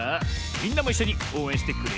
みんなもいっしょにおうえんしてくれよな。